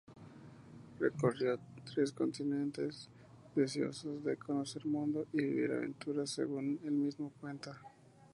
Recorrió tres continentes deseoso de conocer mundo y vivir aventuras, según el mismo cuenta.